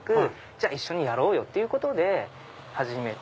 じゃあ一緒にやろうよ！ということで始めて。